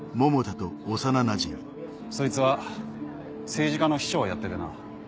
そいつは政治家の秘書をやっててな。